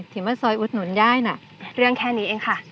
ถึงว่าซอยอุดหนุนได้นะเรื่องแค่นี้เองค่ะ